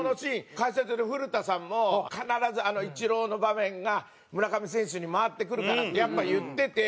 解説で古田さんも「必ずあのイチローの場面が村上選手に回ってくるから」ってやっぱ言ってて。